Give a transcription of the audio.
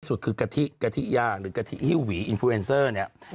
สุดคือกะทิกะทิยาหรือกะทิฮิ้วหวีอินฟูเอ็นเซอร์เนี่ย